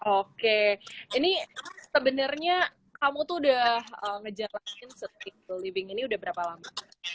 oke ini sebenarnya kamu tuh udah ngejarin setiap living ini udah berapa lama